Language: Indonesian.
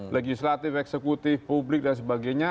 legislatif eksekutif publik dan sebagainya